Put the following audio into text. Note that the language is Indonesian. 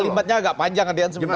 kalimatnya agak panjang adian sebenarnya